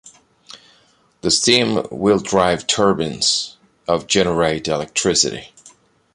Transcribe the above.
The steam will drive turbines of generate electricity.